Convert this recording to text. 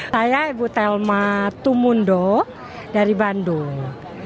saya ibu telma tumundo dari bandung